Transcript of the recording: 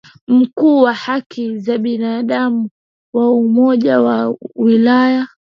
Mkuu wa haki za binadamu wa Umoja wa Ulaya